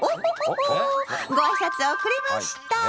ご挨拶遅れました。